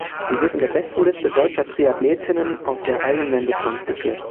Sie wird in der Bestenliste deutscher Triathletinnen auf der Ironman-Distanz geführt.